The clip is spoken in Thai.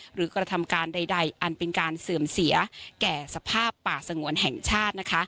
กระทำการใดอันเป็นการเสื่อมเสียแก่สภาพป่าสงวนแห่งชาติ